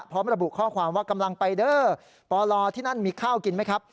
พร้อมระบุข้อความว่ากำลังไปเด้อปลที่นั่นมีข้าวกินไหมครับ